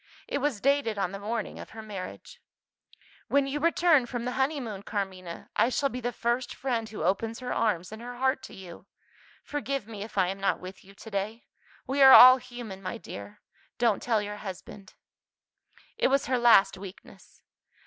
It was dated on the morning of her marriage: "When you return from the honeymoon, Carmina, I shall be the first friend who opens her arms and her heart to you. Forgive me if I am not with you to day. We are all human, my dear don't tell your husband." It was her last weakness.